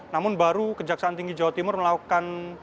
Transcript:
namun baru kejaksaan tinggi jawa timur melakukan